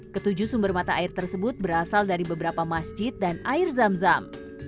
ketujuh sumber mata air tersebut berasal dari beberapa masjid dan air zam zam